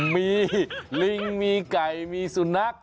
มีลิงมีไก่มีสุนัข